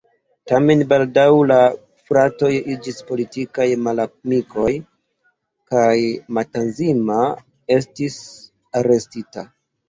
Tamen baldaŭ la fratoj iĝis politikaj malamikoj kaj Matanzima estis arestita.